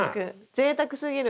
ぜいたくすぎる。